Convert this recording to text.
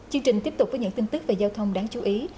chương trình tiếp tục với những tin tức về giao thông đáng chú ý